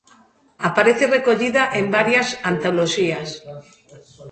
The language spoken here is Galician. Aparece recollida en varias antoloxías.